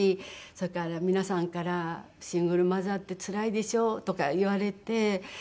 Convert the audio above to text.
それから皆さんから「シングルマザーってつらいでしょう」とか言われて。